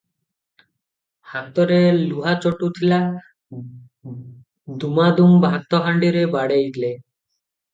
ହାତରେ ଲୁହା ଚଟୁ ଥିଲା, ଦୁମାଦୁମ୍ ଭାତ ହାଣ୍ଡିରେ ବାଡ଼େଇଲେ ।